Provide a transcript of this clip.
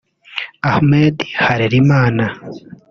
Ahmed Harerimana